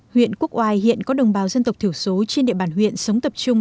huyện quốc oai hiện có đồng bào dân tộc thiểu số trên địa bàn huyện sống tập trung